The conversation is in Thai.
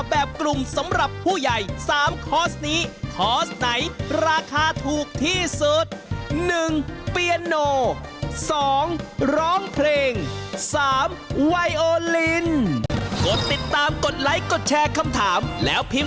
แบบกลุ่มสำหรับหู้ใหญ่